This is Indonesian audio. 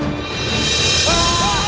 ya ini udah berakhir